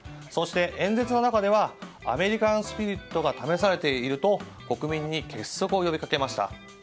そして、演説の中ではアメリカンスピリットが試されていると国民に結束を呼びかけました。